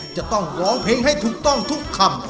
จะต้องร้องเพลงให้ถูกต้องทุกคำ